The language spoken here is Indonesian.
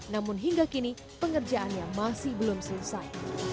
namun hingga kini pengerjaannya masih belum selesai